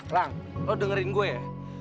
lang kamu dengar saya